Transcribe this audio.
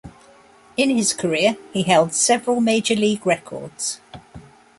In his career, he held several major league records.